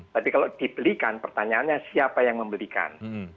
tapi kalau dibelikan pertanyaannya siapa yang membelikan